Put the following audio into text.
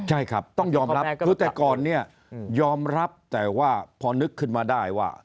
ใช่ครับต้องยอมรับคือแต่ก่อนเนี่ยยอมรับแต่ว่าพอนึกขึ้นมาได้ว่า